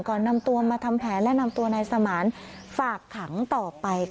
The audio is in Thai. นำตัวมาทำแผนและนำตัวนายสมานฝากขังต่อไปค่ะ